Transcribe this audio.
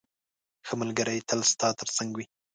ښه ملګری تل ستا تر څنګ وي.